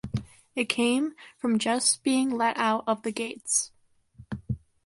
It came from just being let out of the gates.